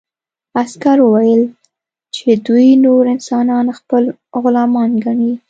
عسکر وویل چې دوی نور انسانان خپل غلامان ګڼي